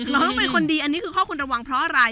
เราต้องเป็นคนดีอันนี้คือข้อควรระวังเพราะอะไร